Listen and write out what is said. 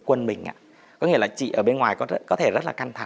quân bình ạ